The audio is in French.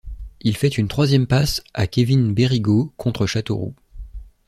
Il fait une troisième passe à Kévin Bérigaud contre Châteauroux.